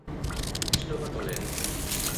Isto é unha tolemia!